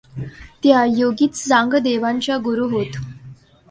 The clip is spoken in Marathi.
त्या योगी चांगदेवांच्या गुरू होत.